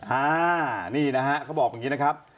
อ่านี่นะฮะเขาบอกอย่างนี้นะครับ